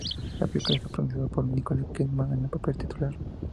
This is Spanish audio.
La película está protagonizada por Nicole Kidman en el papel titular.